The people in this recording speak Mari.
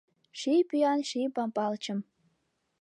Ший пӱян Ший Пампалчым